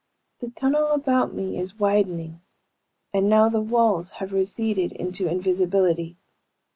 "The tunnel about me is widening and now the walls have receded into invisibility.